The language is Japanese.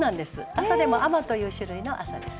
麻でも亜麻という種類の麻です。